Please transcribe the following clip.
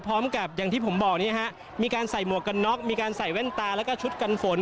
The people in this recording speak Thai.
พร้อมกับอย่างที่ผมบอกมีการใส่หมวกกันน็อกมีการใส่แว่นตาแล้วก็ชุดกันฝน